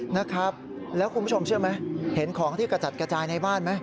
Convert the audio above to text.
นะครับแล้วคุณผู้ชมเชื่อไหมเห็นของที่กระจัดกระจายในบ้านไหม